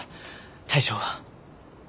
大将は？